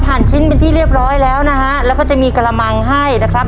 ชิ้นเป็นที่เรียบร้อยแล้วนะฮะแล้วก็จะมีกระมังให้นะครับ